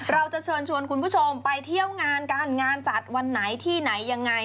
เราจะเชิญชวนคุณผู้ชมไปเที่ยวงานกันงานจัดวันไหนที่ไหนยังไง